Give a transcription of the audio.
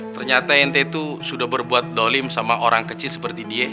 ternyata n t itu sudah berbuat dolim sama orang kecil seperti dia